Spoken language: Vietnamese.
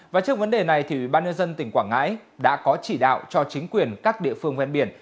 và trước vấn đề này ban ngư dân tỉnh quảng ngãi đã có chỉ đạo cho chính quyền các địa phương ven biển